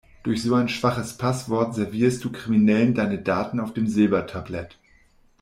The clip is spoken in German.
Durch so ein schwaches Passwort servierst du Kriminellen deine Daten auf dem Silbertablett.